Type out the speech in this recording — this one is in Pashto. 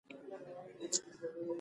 هغوی تشې وعدې ورسره کړې وې.